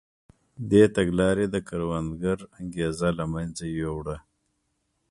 دې تګلارې د کروندګر انګېزه له منځه یووړه.